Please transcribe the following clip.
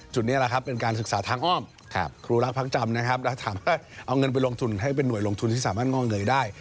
นี่แหละครับเป็นการศึกษาทางอ้อมครูรักพักจำนะครับแล้วถามว่าเอาเงินไปลงทุนให้เป็นห่วยลงทุนที่สามารถง่อเงยได้